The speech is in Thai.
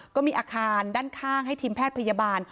ก็มีอาคารด้านข้างให้ทีมแพทย์พยาบาล